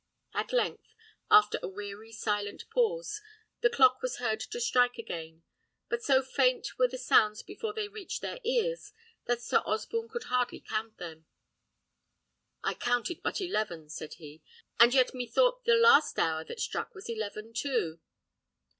At length, after a weary, silent pause, the clock was heard to strike again; but so faint were the sounds before they reached their ears, that Sir Osborne could hardly count them. "I counted but eleven," said he, "and yet methought the last hour that struck was eleven too."